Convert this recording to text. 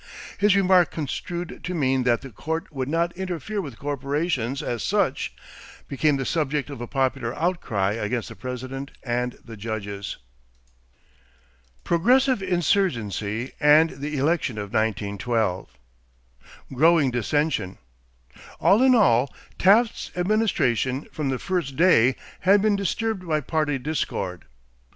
His remark, construed to mean that the Court would not interfere with corporations as such, became the subject of a popular outcry against the President and the judges. PROGRESSIVE INSURGENCY AND THE ELECTION OF 1912 =Growing Dissensions.= All in all, Taft's administration from the first day had been disturbed by party discord.